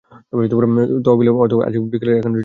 তহিবলের অর্থ আজ বিকালে তোমার অ্যাকাউন্টে জমা দেওয়া হবে।